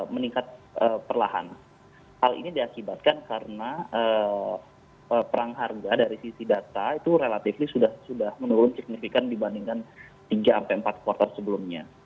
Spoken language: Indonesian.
meningkat perlahan hal ini diakibatkan karena perang harga dari sisi data itu relatif sudah menurun signifikan dibandingkan tiga empat kuartal sebelumnya